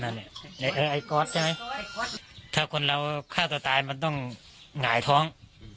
นั่นแหละไอ้ใช่ไหมถ้าคนเราฆ่าตัวตายมันต้องหงายท้อง